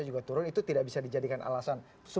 juga turun itu tidak bisa dijadikan alasan